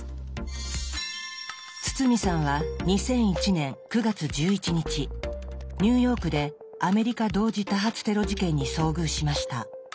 堤さんは２００１年９月１１日ニューヨークでアメリカ同時多発テロ事件に遭遇しました。